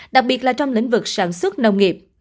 đặc biệt là trong lĩnh vực sản xuất nông nghiệp